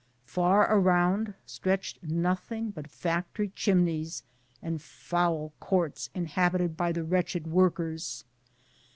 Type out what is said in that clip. Far around stretched nothing but factory chimneys and foul courts inhabited by the wretched workers.